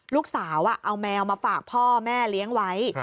ลูกสาวเอาแมวมาฝากพ่อแม่เลี้ยงไว้